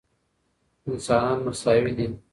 انسانان مساوي دي.